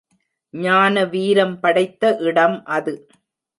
ஞான வீரம் படைத்த இடம் அது.